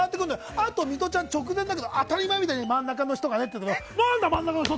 あと、ミトちゃん当たり前みたいに真ん中の人がって。